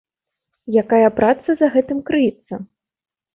Якая праца за гэтым крыецца?